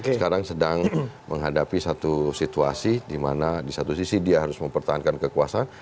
sekarang sedang menghadapi satu situasi di mana di satu sisi dia harus mempertahankan kekuasaan